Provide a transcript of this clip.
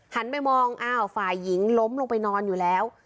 หันไปมองอ้าวฝ่ายหญิงล้มลงไปนอนอยู่แล้ว